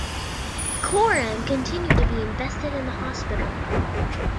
Coram continued to be invested in the hospital.